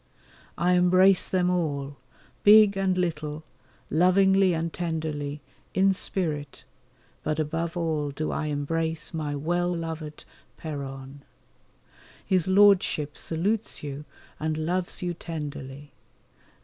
I embrace them all, big and little, lovingly and tenderly, in spirit, but above all do I embrace my well loved Péronne. His Lordship salutes you and loves you tenderly.